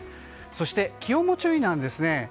そして、気温も注意です。